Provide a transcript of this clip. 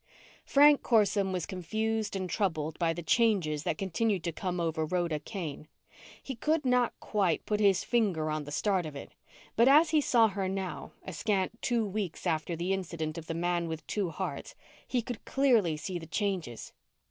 Frank Corson was confused and troubled by the changes that continued to come over Rhoda Kane. He could not quite put his finger on the start of it, but as he saw her now, a scant two weeks after the incident of the man with two hearts, he could clearly see the changes.